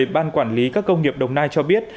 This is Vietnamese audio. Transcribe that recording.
ban quản lý các công nghiệp đồng nai cho biết